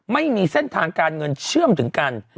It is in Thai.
ไม่มีเส้นทางการเงินเชื่อมถึงกัน